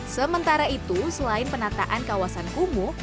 sementara itu selain penataan kawasan kumuh